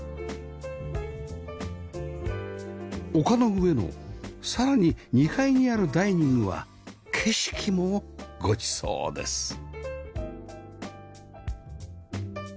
丘の上のさらに２階にあるダイニングは景色もごちそうです